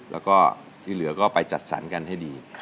แล้วก็ที่เหลือก็ไปจัดสรรกันให้ดี